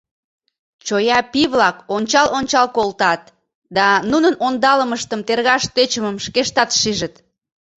Чоя пий-влак ончал-ончал колтат да нунын ондалымыштым тергаш тӧчымым шкештат шижыт.